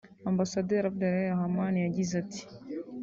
Ambasaderi Abdel Rahman yagize ati